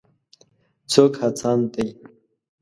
څوک هڅاند دی.